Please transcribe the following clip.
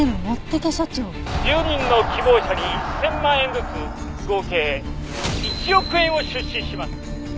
「１０人の希望者に一千万円ずつ合計一億円を出資します！」